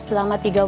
selama tiga bulan